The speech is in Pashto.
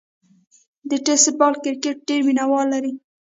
د ټیپ بال کرکټ ډېر مینه وال لري.